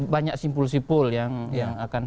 banyak simpul simpul yang akan